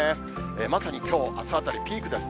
まさにきょう、あすあたり、ピークです。